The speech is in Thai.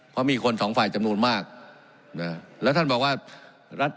เพราะมีคน๒ฟัยจำนวนมากและท่านบอกว่า